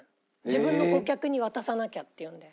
自分の顧客に渡さなきゃっていうんで。